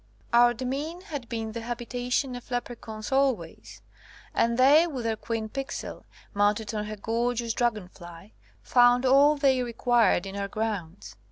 Our demesne had been the habitation of Leprechauns al ways, and they with their Queen Picel, mounted on her gorgeous dragon fly, found all they required in our grounds.